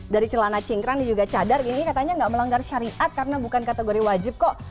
dari celana cingkrang dan juga cadar ini katanya nggak melanggar syariat karena bukan kategori wajib kok